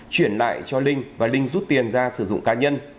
chuyển lại cho linh và linh rút tiền ra sử dụng cá nhân